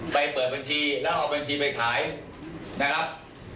เปิดบัญชีแล้วเอาบัญชีไปขายนะครับ